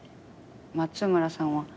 松村さんは？